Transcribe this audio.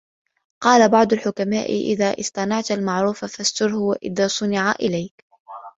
قَالَ بَعْضُ الْحُكَمَاءِ إذَا اصْطَنَعَتْ الْمَعْرُوفَ فَاسْتُرْهُ ، وَإِذَا صُنِعَ إلَيْك